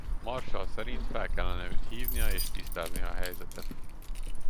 Marshall szerint fel kellene őt hívnia és tisztázni a helyzetet.